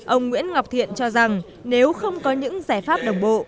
ông nguyễn ngọc thiện cho rằng nếu không có những giải pháp đồng bộ